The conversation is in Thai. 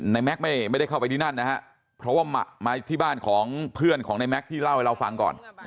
แม็กซ์ไม่ได้เข้าไปที่นั่นนะฮะเพราะว่ามาที่บ้านของเพื่อนของในแก๊กที่เล่าให้เราฟังก่อน